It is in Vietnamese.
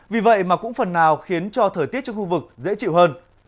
vì vậy mà cũng phần nào khiến cho thời tiết trên khu vực dễ chịu hơn